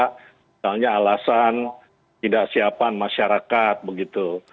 misalnya alasan tidak siapan masyarakat begitu